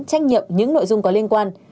trách nhiệm những nội dung có liên quan